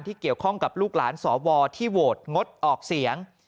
เกี่ยวข้องกับลูกหลานสวที่โหวตงดออกเสียง